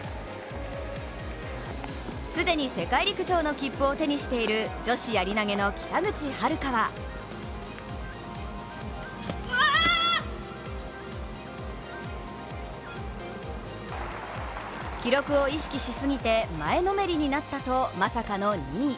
既に世界陸上の切符を手にしている女子やり投げの北口榛花は記録を意識しすぎて前のめりになったとまさかの２位。